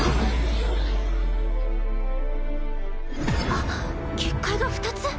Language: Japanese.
あっ結界が２つ！